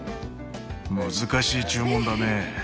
難しい注文だねぇ。